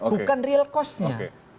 bukan real cost nya